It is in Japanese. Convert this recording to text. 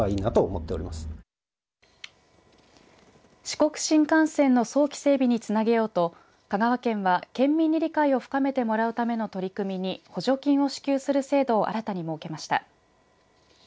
四国新幹線の早期整備につなげようと香川県は県民に理解を深めてもらうための取り組みに補助金を支給する制度を新たに設けました。